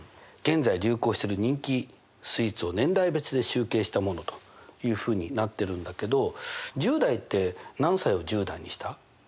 現在流行してる人気スイーツを年代別で集計したものというふうになってるんだけど１０代って何歳を１０代にした？